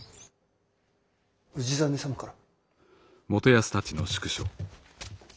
氏真様から？